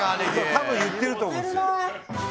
多分言ってると思うんですよ。